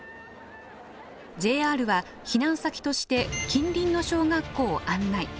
ＪＲは避難先として近隣の小学校を案内。